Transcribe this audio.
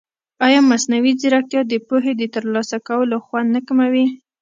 ایا مصنوعي ځیرکتیا د پوهې د ترلاسه کولو خوند نه کموي؟